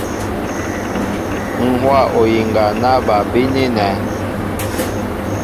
Ŋ̀ hówa oyiŋga ná bal bínínɛ̄.